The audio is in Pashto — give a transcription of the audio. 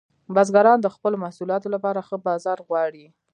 بزګران د خپلو محصولاتو لپاره ښه بازار غواړي.